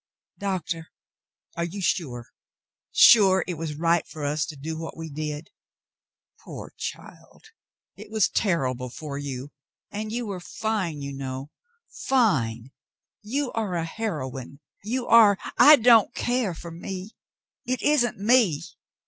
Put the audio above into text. Doctor, are you sure — sure — it was right for us to do what we did?" "Poor child ! It was terrible for you, and you were fine, you know — fine; you are a heroine — you are —" "I don't care for me. It isn't me.